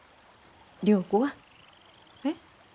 良子は？えっ？